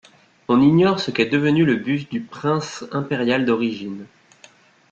On ignore ce qu'est devenu le buste du prince impérial d'origine.